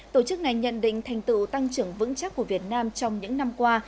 tổ chức này nhận định thành tựu tăng trưởng vững chắc của việt nam trong những năm qua